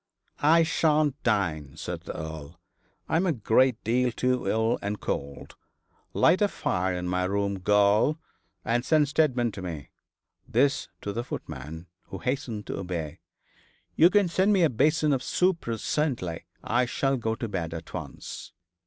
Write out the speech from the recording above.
'I shan't dine,' said the Earl. 'I am a great deal too ill and cold. Light a fire in my room, girl, and send Steadman to me' this to the footman, who hastened to obey. 'You can send me up a basin of soup presently. I shall go to bed at once.'